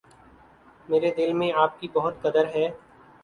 میرے دل میں آپ کی بہت قدر ہے۔